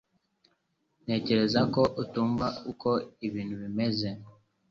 Ntekereza ko utumva uko ibintu bimeze